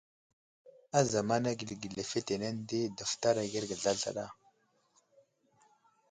Ázamana geli ge lefetenene di daftar agerge zlazlaɗa.